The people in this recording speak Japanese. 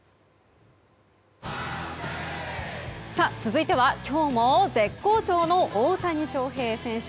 続いては今日も絶好調の大谷翔平選手。